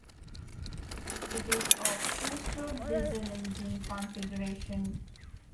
It is of two-stroke diesel engine configuration.